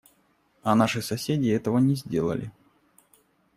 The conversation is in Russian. А наши соседи этого не сделали.